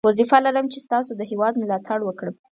وظیفه لرم چې ستاسو د هیواد ملاتړ وکړم.